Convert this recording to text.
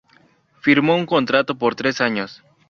Firmó un contrato por tres años.